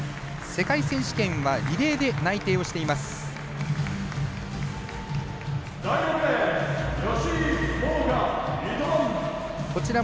世界選手権はリレーで内定をしています、増田。